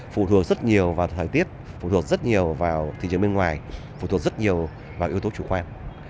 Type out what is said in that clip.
phù thuộc rất nhiều vào thị trường bên ngoài phù thuộc rất nhiều vào yếu tố chủ khoan